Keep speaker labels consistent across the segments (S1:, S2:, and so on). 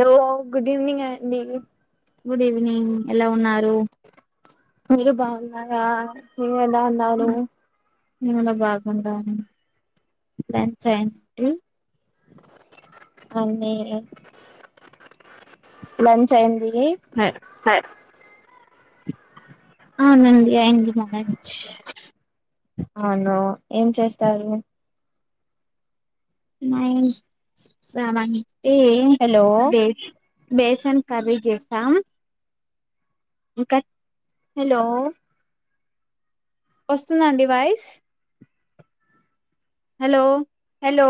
S1: Hello good evening అండి.
S2: Good evening, ఎలా ఉన్నారు?
S1: మీరు బాగున్నారా? మీరు ఎలా ఉన్నారు?
S2: నేను గుడ బాగుండాను లంచ్ అయింద్రీ
S1: అవునే లంచ్ అయింది.
S2: హ
S1: స
S2: అవునండి అయింది మా లంచ్
S1: అవును ఏం చేస్తారు
S2: మై సవంటే
S1: హలో
S2: బేస్ బేసన్ కర్రీ చేసాం ఇంక
S1: హలో
S2: వస్తుందండి voice hello
S1: hello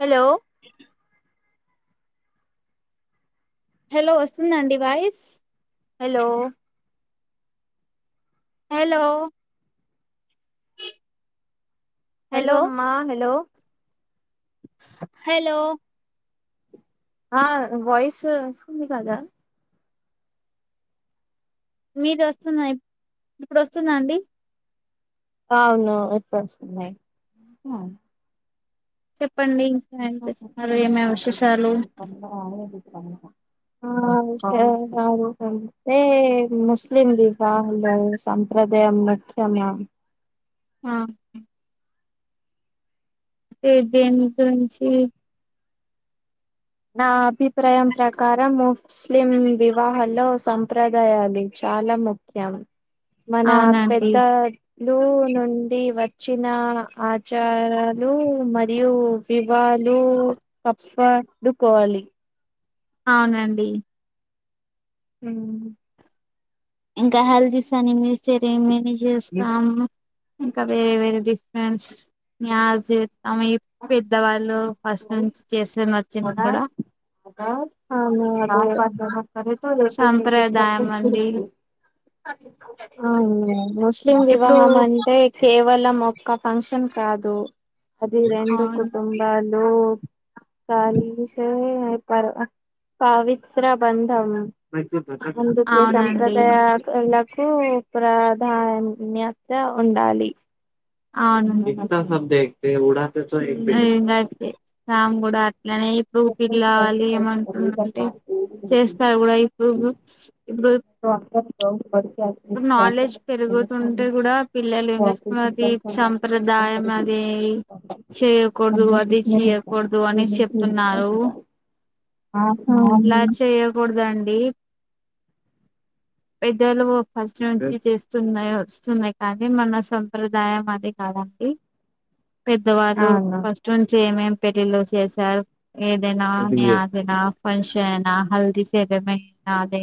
S1: hello
S2: hello వస్తుందండి వాయిస్.,
S1: హలో..
S2: హలో..
S1: హలో అమ్మా హలో..
S2: హలో...
S1: ఆ వాయిస్ వస్తుంది కదా..
S2: మీది వస్తున్నా ఇప్పుడు వస్తుంద అండి.
S1: అవును ఇప్పుడు వస్తుంది..
S2: చెప్పండి [unintelligible] ఎమ్ ఎమ్ విశేషాలు
S1: [inaudible] టే ముస్లిం ది సంప్రదాయం చమ
S2: ఆ ఏ దేని గురించి
S1: నా అభిప్రాయం ప్రకారం ముస్లిం వివాహాల్లో సంప్రదాయాలు. చాలా ముఖ్యం. మన
S2: అవునండి
S1: పెద్ద.. లు నుండి వచ్చిన ఆచారాలు మరియు, వివాళు పప్పడుకోవాలి.
S2: అవునండి. ఇంకా హల్దీస్ అని మీస్తరేమని చేస్తాము. ఇంకా వేరే వేరే డిఫరెంట్స్ జ్మ పెద్దవాళ్ళు, ఫస్ట్ నుంచి చేసే నచ్చిది కూడా.
S1: [unintelligible] [unintelligible]
S2: సాంప్రదాయం అండి
S1: అ ముస్లిం
S2: ఇప్పుడు
S1: వివాహం అంటే, కేవలం ఒక్క ఫంక్షన్ కాదు అది రెండు
S2: అవును
S1: కుటుంబాలు, కలిసే పర్ పవిత్ర బంధం అందుకే
S2: అవునండి
S1: సంప్రదాయ లకు ప్రాధాన్యత ఉండాలి. [unintelligible]
S2: ఏంకాతే సామ్ కూడా అట్లనే ఇప్పుడు ఊపిల్ కావాల [unintelligible] అంటే చేస్తారు గూడా ఇప్పుడు ఇప్పుడు
S1: [unintelligible]
S2: ఇప్పుడు నాలెడ్జ్ పెరుగుతుంటే కూడా పిల్లలు ఏం చేస్తున్న అది., సంప్రదాయం అదీ చేయకూడదు అది చేయ్యకూడదు అని చెప్తున్నారు. అట్లా
S1: అవును
S2: చేయ్యకూడదండి. పెదోలు ఫస్ట్ నుంచి చేస్త వస్తున్నాయి వస్తున్నాయి కానీ మన సంప్రదాయం అది కాదండి. పెద్దవాళ్ళు
S1: అవును
S2: ఫస్ట్ నుంచి ఏమేం పెళ్ళిలో చేశారు ఏదైనా నే ఆదైనా ఫంక్షన్ ఐనా హల్దీస్ అగ్రిమెంట్ నాదే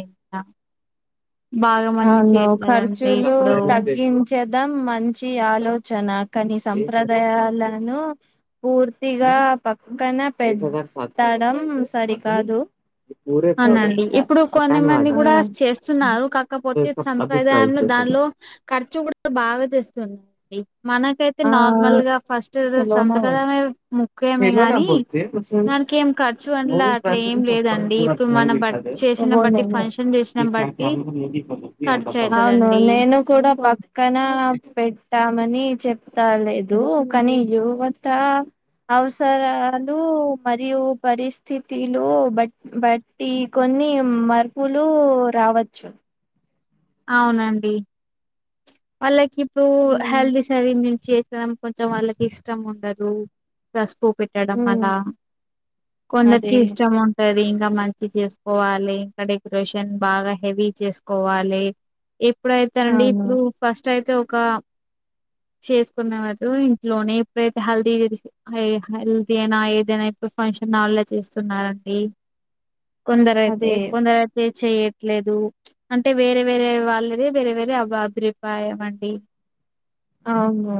S1: అవును
S2: చేయట్లేదండి
S1: ఖర్చులు
S2: ఇప్పుడు
S1: తగ్గిం చేద్దాం మంచి ఆలోచన కానీ సంప్రదయాలను పూర్తిగా పక్కన పెట్టడం సరికాదు సరే
S2: అవునండి
S1: కాదు
S2: ఇప్పుడు కొన్నిమంది గూడా చేస్తున్నారు కాక కపోతే సంప్రదాయంలో దానిలో ఖర్చు గూడా బాగా చేస్తున్నా [inaudible] డి మన కయితే
S1: ఆ ఆ
S2: నార్మల్ గా ఫస్ట్ సంప్రదాయం ముఖ్యమే గాని దానికేం ఖర్చు అన్లె అట్లా ఏం లేదండి ఇప్పుడు మన బట్టి చేసిన
S1: ఓహో
S2: బట్టి
S1: నిన్నే
S2: ఫంక్షన్ చేసిన బట్టి ఖర్చు అయితదండి
S1: న కూడా పక్కన పెట్టామని చెప్త లేదు కానీ యువతా అవసరాలు మరియు పరిస్థితిలు బట్టి బట్టి కొన్ని మర్పులు రావచ్చు
S2: అవునండి వాళ్ళకి ఇప్పుడు
S1: ఉమ్
S2: హెల్దీ శరీం మిల్క్ షేక్ [inaudible] కొంచెం వాళ్ళకి ఇష్టం ఉండదు పసుపు పెట్టడం
S1: ఉమ్,
S2: అలా కొందరికి
S1: అదే
S2: ఇష్టం మున్ టది ఇంకా మంచి చేసుకోవాలి ఇంకా డెకరేషన్ బాగా హెవీ చేసుకోవాలి ఎప్పుడైతేనండి
S1: అవును
S2: ఇప్పుడు ఫస్ట్ అయితే ఒక చేసుకున్నవాళ్ళు ఇంట్లోనే ఎప్పుడైతే హల్దీ విరిసి హే హల్దీ అయినా ఏదైనా ఇప్పుడు ఫంక్షన్ హాల్లో చేస్తున్నారండి కొందరు అయితే
S1: అదే
S2: కొందరు అయితే చెయట్లేదు అంటే వేరే వేరే వాళ్ళది వేరే వేరే అవ అబ్రిపాయం అండి
S1: అవునా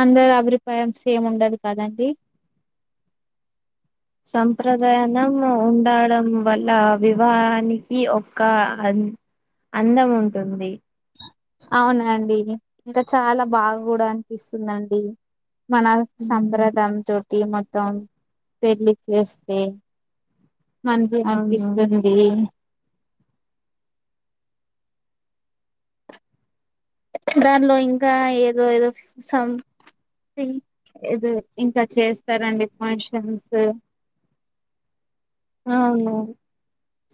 S2: అందరు అభ్రిపాయం సేమ్ ఉండదు కదండి
S1: సంప్రదయనం ఉండడం వల్ల వివాహానికి ఒక అన్ అందం ఉంటుంది
S2: అవునా అండి ఇంకా చాలా బాగా గూడా అనిపిస్తుందండి మన
S1: ఉమ్,
S2: సంప్రదం తోటి మొత్తం పెళ్లి చేస్తే మంది
S1: అవును
S2: అక్కిస్తుంది దానిలో ఇంకా ఏదో ఏదో సం థింగ్ ఏదో ఇంకా చేస్తారండి ఫంక్షన్సు
S1: ఆ అవునవును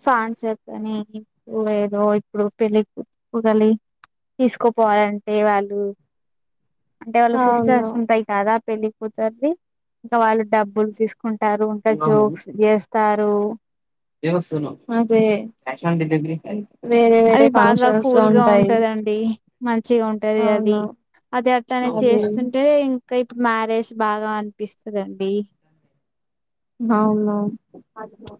S2: సాయం సేత్తనే ఇప్పుడు ఏదో ఇప్పుడు పెళ్లికి [inaudible] కూగలి తీసుకోపోవాలంటే వాళ్ళు అంటే వాళ్ళ
S1: అవును
S2: సిస్టర్స్ ని పైక్ కాదా పెళ్ళికూతర్ది ఇంకా వాళ్ళు డబ్బులు తీసుకుంటారు ఇంకా జోక్స్ ఏస్ స్తారు
S1: దేవసేన క్యాష్ ఆన్ డిలివరీ
S2: అది బాగా కూల్గా ఉంటదండి మంచిగా ఉంటది అది
S1: అవును
S2: అది అట్లనే
S1: అదే
S2: చేస్తుంటే ఇంకా ఇప్పుడు మ్యారేజ్ బాగా అనిపిస్తదండి
S1: అవునవును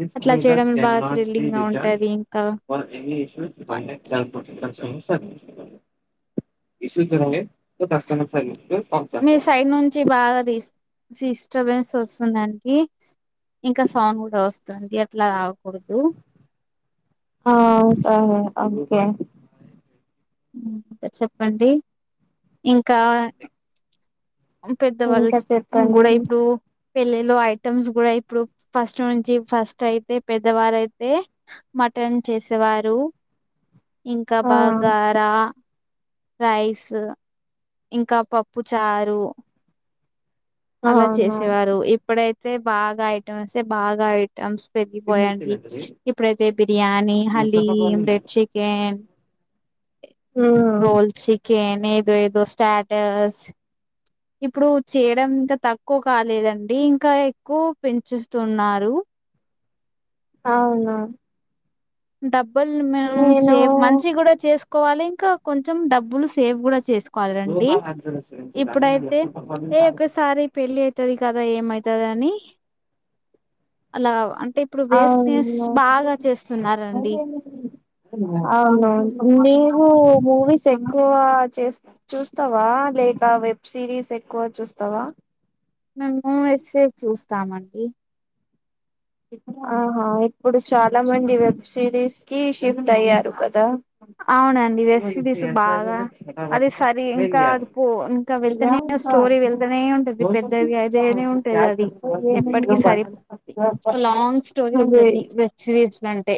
S1: దిస్
S2: అట్లా
S1: ప్రోడక్ట్
S2: చేయడం
S1: కెన్
S2: బాగా
S1: నాట్ బి
S2: థ్రిల్లింగ్ గా
S1: రిటర్న్డ్
S2: ఉంటది ఇంకా
S1: for any issues contact [inaudible] [inaudible] so customer service [inaudible]
S2: me side నుంచి బాగా దిస్ సిస్టబెన్స్ వస్తుందండి ఇంకా సౌండ్ గూడా వస్తుంది అట్లా రాగకూడదు
S1: ఆఆ... సా.... ఆ ఓకే
S2: చెప్పండి ఇంకా పెద్దవాళ్ళు
S1: ఇంకా
S2: చ్ ఇం
S1: చెప్పండి
S2: గూడ ఇప్పుడు పెళ్ళిలో ఐటమ్స్ గూడ ఇప్పుడు ఫస్ట్ నుంచి ఫస్ట్ అయితే పెద్దవారయితే మటన్ చేసేవారు ఇంక
S1: ఆ
S2: బగారా రైస్ ఇంక పప్పు చారు అలా
S1: అవును
S2: చేసేవారు ఇప్పుడైతే బాగ ఐటమ్స్తే బాగ ఐ ఐటమ్స్ పెరిగి పోయాయండి ఇప్పుడైతే బిర్యానీ, హలీం, బ్రెడ్ చికెన్
S1: ఉమ్
S2: రోల్ చికెన్ ఏదో ఏదో స్టాటస్ ఇప్పుడు చేయడం ఇంకా తక్కువ కాలేదండి, ఇంకా ఎక్కువ పెంచుస్తున్నారు.
S1: అవునా
S2: డబ్బుల్ మనం
S1: నేను
S2: సేవ్ మంచి గూడ చేసుకోవాలి, ఇంకా కొంచెం డబ్బులు సేవ్ గూడ చేసుకో కాలరండి ఇప్పుడైతే ఏ ఒకసారి పెళ్ళి అయితది కదా ఏమయితది అని అలా అంటే ఇప్పుడు వెస్ట్ నేస్
S1: అవును
S2: బాగా చేస్తున్నారండి
S1: అవునా నేవు మూవీస్ ఎక్కువ చేస్ చూస్తవా లేక వెబ్ సిరీస్ ఎక్కువ చూస్తవా
S2: మేము మూవీసే చూస్తామండి.
S1: ఇపూ ఆహా ఇప్పుడు చాలా మంది వెబ్ సిరీస్ కి షిఫ్ట్ అయ్యారు కదా
S2: అవునండి. వెబ్ సిరీస్ బాగా అది సరి ఇంకా అది పో ఇంకా వెళ్తనే స్టోరీ వెళ్తనే ఉంటది పెద్దది అయిద ఉంటది అది ఎప్పటికి సరి
S1: [inaudible]
S2: ఒక లాంగ్ స్టోరీ
S1: అదే
S2: ఉంటది వెబ్ సిరీస్ అంటే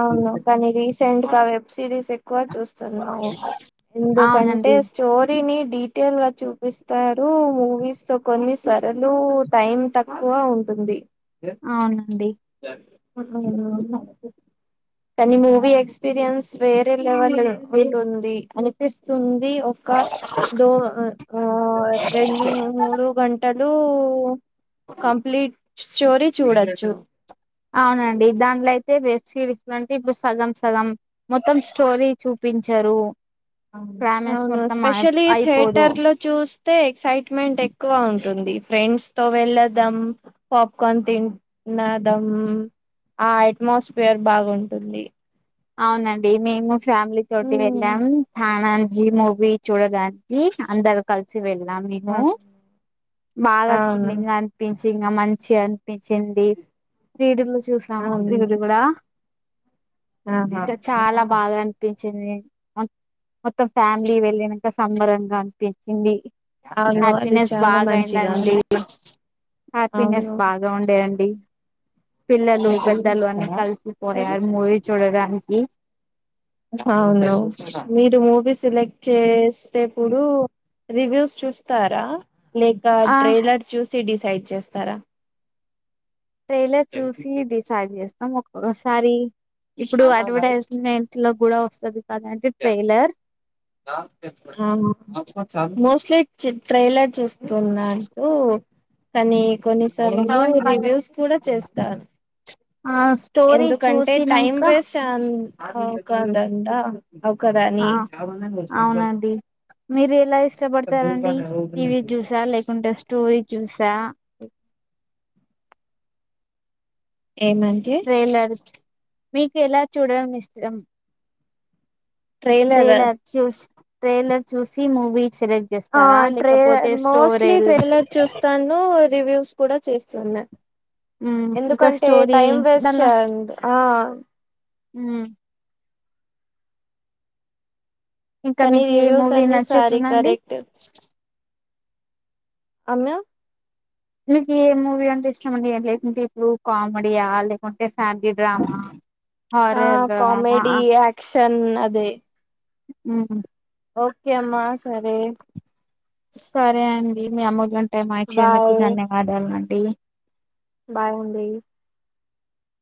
S1: అవును కానీ రీసెంట్ గా వెబ్ సిరీస్ ఎక్కువ చూస్ న్నావు ఎందుకంటే
S2: అవునండి
S1: స్ చోరీని డీటెయిల్ గా చూపిస్తారు మూవీస్ తో కొన్ని సరలు టైమ్ తక్ బాగా ఉంటుంది.
S2: అవునండి.
S1: అ [inaudible] కని మూవీ ఎక్స్పీరియన్స్ వేరే లెవెల్ ఉంది అ స్తుంది ఒక దో, రెండు, మూడు గంటలు లూ... కంప్లీట్ స్టోరీ చూడోచ్చు.
S2: అవునండి దాంట్లో అయితే వెబ్ సిరీస్ అంటే ఇప్పుడు సగం సగం మొత్తం స్టోరీ చూపించరు.
S1: [inaudible]
S2: క్లైమాక్స్
S1: అవునా..
S2: మొత్తం
S1: స్పెషలీ
S2: అయిపోదు
S1: థియేటర్ లో చూస్తే ఎక్సైట్మెంట్ ఎక్కువ ఉంటుంది. ఫ్రెండ్స్ తో వెళ్ళదాం పాప్కన్ తిన్ నదం ఆ ఎట్మాస్ఫియర్ బాగ ఉంటుంది.
S2: అవునండి. మేము ఫ్యామిలీ తోటి
S1: ఉమ్,
S2: వెళ్ళాం తానజీ మూవీ. చూడగానికి అందరు కలిసి వెళ్ళాం మేము
S1: ఆ,
S2: బాగా
S1: అవును
S2: తిర్లింగ పించి ఇంగ మంచి అనిపించింది క్రీడలు చూసాం
S1: అవును
S2: వీడు కూడా
S1: ఆహా
S2: ఇంకా చాలా బాగ పించింది మొత్తం ఫ్యామిలీ వెళ్ళినంక సంబరంగా అనిపించింది.
S1: అవును అది
S2: హ్యాపీనెస్
S1: చాలా మంచిగా
S2: బాగాయిందండి.
S1: ఉంది
S2: హ్యాపీనెస్
S1: అవును
S2: బాగా ఉండే అండి పిల్లలు పెద్దలు అని కలిసిపోయారు మూవీ చూడడానికి
S1: హవునౌ మీరు మూవీ సెలెక్ట్ చేస్తేప్పుడు రివ్యూస్ చూస్తారా లేక
S2: ఆ
S1: ట్రైలర్ చూసి డిసైడ్ చేస్తారా
S2: ట్రైలర్ చూసి డిసైడ్ చేస్తాం ఒక్కొక్కసారి ఇప్పుడు అడ్వర్టైజ్మెంట్ ట్లో కూడా వస్తుది కాదంటే ట్రైలర్
S1: మోస్ట్లీ చి ట్రైలర్ చూస్ తున్నానుకూ కానీ కొన్నిసార్లు రివ్యూస్ కూడా చేస్తాను
S2: ఆ స్టోరీ చూసినంక
S1: టన్ ఆ కాందంటా ఒక్కదాన్ని
S2: ఆ అవునండి మీరు ఎలా ఇష్టపడతారండి టీ వీ చూసా లేకుంటే స్టోరీ చూసా
S1: ఏమంటే
S2: ట్రైలర్ మీకు ఎలా చూడడం ఇష్టం ట్రైలర్ చూస్ ట్రైలర్ చూసి మూవీ సెలెక్ట్
S1: ఆ
S2: చేస్తారా
S1: ట్రే
S2: లేకపోతే
S1: మోస్ట్లీ
S2: స్టోరీల్
S1: ట్రైలర్ చూస్తాను రివ్యూస్ కూడా చేస్తున్నా
S2: ఇంకా
S1: ఎందుకంటే
S2: స్టోరీ
S1: టైమ్ వేస్ట్ చేయందు ఆ
S2: ఊ ఇంకా
S1: కానీ
S2: మీకు ఏ
S1: రివ్యూస్
S2: మూవీ
S1: అన్ని సారీ
S2: నచ్చితుందండి
S1: కరెక్ట్ అమ్మో
S2: మీకు ఏ మూవీ అంటే ఇష్టమండి లేకుంటే ఇప్పుడు కామెడీయా లేకుంటే ఫ్యామ్లీ డ్రామా హరే రామా
S1: క్షన్ అదే
S2: ఊ
S1: ఓకే అమ్మా సరే
S2: సరే అండి మీ అమూల్యమైన టైం మా అచ్చేందుకు
S1: బాయ్
S2: ధన్యవాదాలు అండి
S1: బాయ్ అండి